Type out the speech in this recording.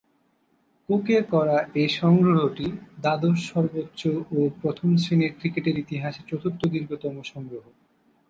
কুকের করা এ সংগ্রহটি দ্বাদশ সর্বোচ্চ ও প্রথম-শ্রেণীর ক্রিকেটের ইতিহাসে চতুর্থ দীর্ঘতম সংগ্রহ।